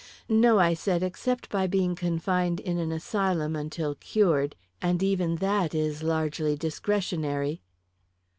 "No," I said, "except by being confined in an asylum until cured and even that is largely discretionary."